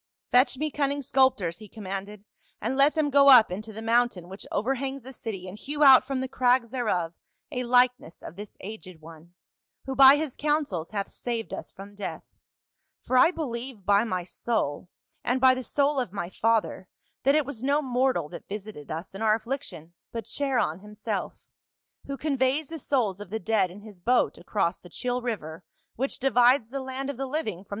"' Fetch me cunning sculptors,' he commanded, ' and let them go up into the mountain which over hangs the city and hew out from the crags thereof a likeness of this aged one, who by his counsels hath saved us from death ; for I believe by my soul, and by the soul of my father, that it was no mortal that visited us in our affliction, but Charon himself, who conveys the souls of the dead in his boat across the chill river which divides the land of the living from A BOATMAN OF ANTluClI.